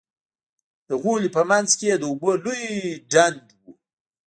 د غولي په منځ کښې يې د اوبو لوى ډنډ و.